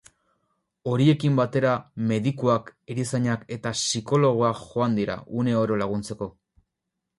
Horiekin batera medikuak, erizainak eta psikologoak joan dira, une oro laguntzeko.